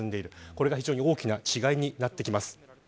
これが非常に大きな違いになってきます。